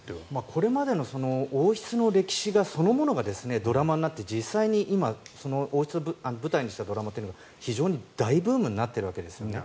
これまでの王室の歴史そのものがドラマになって実際に今、王室を舞台にしたドラマが非常に大ブームになっているわけですよね。